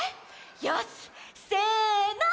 よしせの！